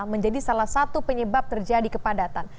menjadi salah satu penyebab terjadi kepadatan